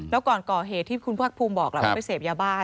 แล้วก่อนก่อเหตุที่คุณพวกพุ่มบอกเลยว่าไปเสพหญ้าบ้า